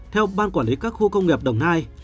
theo ban quản lý các khu công nghiệp đồng nai